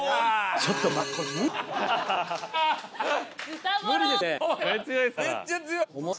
ちょっと待って待って。